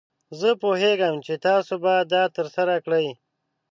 زه پوهیږم چې تاسو به دا ترسره کړئ.